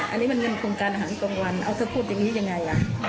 อันนี้มันเงินโครงการอาหารกลางวันเอาเธอพูดอย่างนี้ยังไง